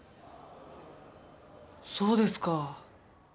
そうですか。